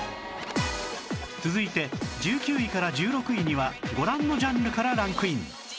続いて１９位から１６位にはご覧のジャンルからランクイン